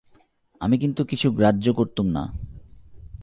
আমি কিন্তু কিছু গ্রাহ্য করতুম না।